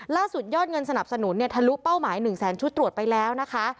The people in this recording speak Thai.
ยอดเงินสนับสนุนเนี่ยทะลุเป้าหมาย๑แสนชุดตรวจไปแล้วนะคะ